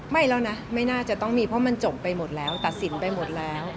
ไม่แล้วนะไม่น่าจะต้องมีเพราะมันจบไปหมดแล้วตัดสินไปหมดแล้ว